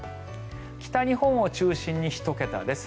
北日本を中心に１桁です。